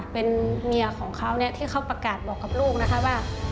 เป็นเมียของเขาเนี่ยที่เขาประกาศบอกกับลูกนะคะว่า